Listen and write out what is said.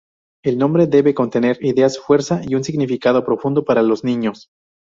El nombre debe contener ideas-fuerza y un significado profundo para los niños.